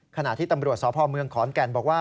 ขณะที่ตำรวจสพเมืองขอนแก่นบอกว่า